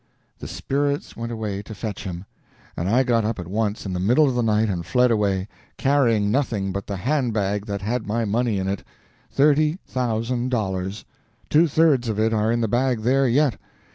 The spirits went away to fetch him, and I got up at once in the middle of the night and fled away, carrying nothing but the hand bag that had my money in it thirty thousand dollars; two thirds of it are in the bag there yet.